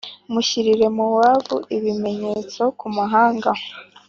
Mushyirire Mowabu ibimenyetso ku muhanda